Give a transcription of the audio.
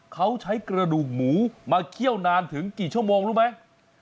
เขาใช้กระดูกหมูมาเคี่ยวนานถึงกี่ชั่วโมงรู้ไหม